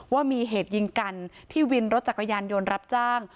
ว่ามีเหตุยิงกันที่วินรถจักรยานยนต์รับจ้าง